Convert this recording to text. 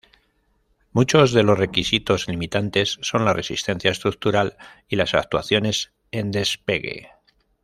Muchos de los requisitos limitantes son la resistencia estructural y las actuaciones en despegue.